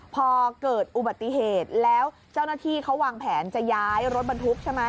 พอเกิดอุบัติเหตุแล้วเจ้าหน้าที่เขาวางแผนจะย้ายรถบรรทุกใช่ไหม